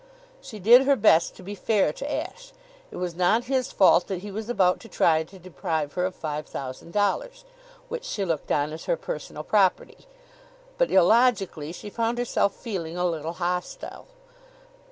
She did her best to be fair to Ashe. It was not his fault that he was about to try to deprive her of five thousand dollars, which she looked on as her personal property; but illogically she found herself feeling a little hostile.